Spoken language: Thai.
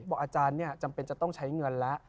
บอกอาจารย์จำเป็นจะต้องใช้เงินแล้ว